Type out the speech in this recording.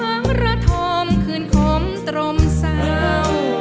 ภาระธรรมคืนขมตรมเศร้า